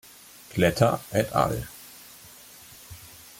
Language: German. Kletter et al.